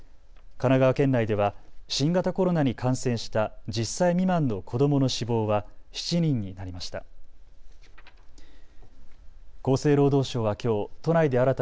神奈川県内では新型コロナに感染した１０歳未満の子どもの死亡は７人になりました。